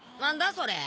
それ。